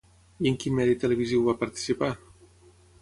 I en quin medi televisiu va participar?